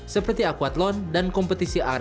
seperti akwatlon dan kompetisi arak obor antar rw